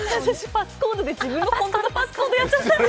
パスコードで自分のパスコードやっちゃった。